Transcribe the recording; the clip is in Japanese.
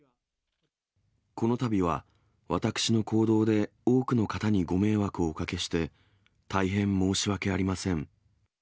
このたびは私の行動で多くの方にご迷惑をおかけして、大変申し訳ありません。